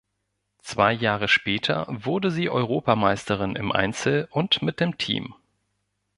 Zwei Jahre später wurde sie Europameisterin im Einzel und mit dem Team.